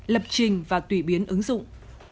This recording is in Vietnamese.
lập trình và tùy biến ứng dụng